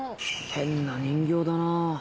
変な人形だなぁ。